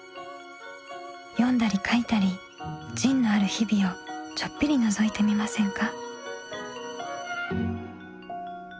読んだり書いたり「ＺＩＮＥ」のある日々をちょっぴりのぞいてみませんか？